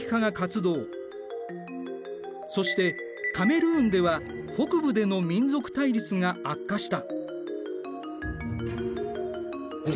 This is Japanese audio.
そしてカメルーンでは北部での民族対立が悪化した。